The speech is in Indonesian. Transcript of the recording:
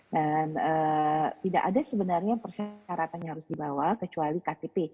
dan tidak ada sebenarnya persyaratannya harus dibawa kecuali ktp